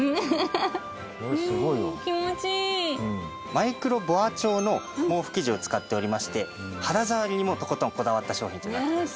マイクロボア調の毛布生地を使っておりまして肌ざわりにもとことんこだわった商品となっています。